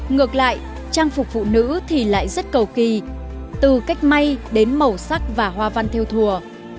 ngược lại trang phục phụ nữ thì lại rất cầu kỳ từ cách may đến màu sắc và hoa văn theo thùa